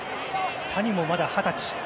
谷も、まだ二十歳。